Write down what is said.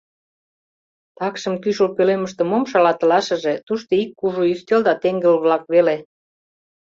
Такшым кӱшыл пӧлемыште мом шалатылашыже — тушто ик кужу ӱстел да теҥгыл-влак веле.